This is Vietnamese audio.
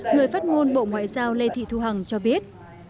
người phát ngôn bộ ngoại giao lê thị thu hằng cho biết